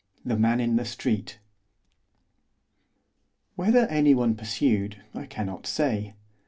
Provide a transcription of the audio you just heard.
THE MAN IN THE STREET Whether anyone pursued I cannot say.